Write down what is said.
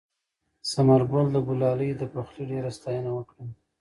ثمرګل د ګلالۍ د پخلي ډېره ستاینه وکړه.